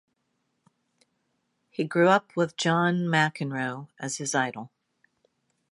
He grew up with John McEnroe as his idol.